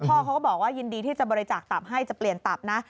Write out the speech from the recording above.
พ่อเขาก็บอกว่ายินดีที่จะบริจาคตับให้จะเปลี่ยนตับนะ